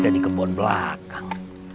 di kebun belakang